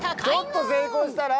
ちょっと成功したら。